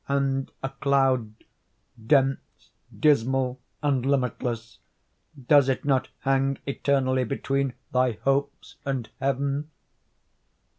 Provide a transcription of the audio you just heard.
—and a cloud, dense, dismal, and limitless, does it not hang eternally between thy hopes and heaven?